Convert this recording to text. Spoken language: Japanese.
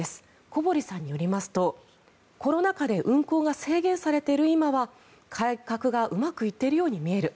小堀さんによりますとコロナ禍で運航が制限されている今は改革がうまくいっているように見える。